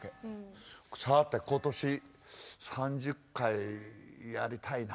さて今年３０回やりたいな。